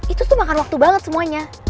itu tuh makan waktu banget semuanya